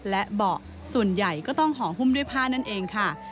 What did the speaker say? และเบาะส่วนใหญ่ก็ต้องห่อหุ้มด้วยผ้านั่นเองค่ะ